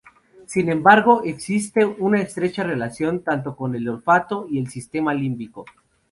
Sin embargo, existe una estrecha relación tanto con el olfato y el sistema límbico.